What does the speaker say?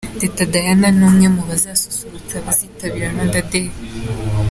Teta Diana ni umwe mu bazasusurutsa abazitabira Rwanda Day.